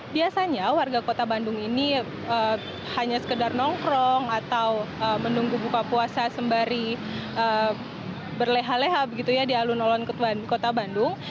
biasanya warga kota bandung ini hanya sekedar nongkrong atau menunggu buka puasa sembari berleha leha begitu ya di alun alun kota bandung